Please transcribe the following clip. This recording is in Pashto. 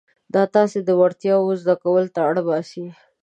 دا تاسې د وړتیاوو زده کولو ته اړ باسي.